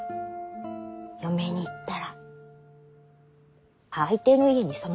嫁に行ったら相手の家に染まらなきゃ。